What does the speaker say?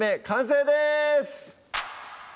完成です！